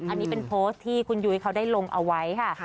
อันนี้เป็นโพสต์ที่คุณยุ้ยเขาได้ลงเอาไว้ค่ะ